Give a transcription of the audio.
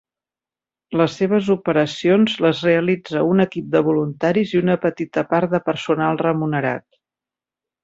Les seves operacions les realitza un equip de voluntaris i una petita part de personal remunerat.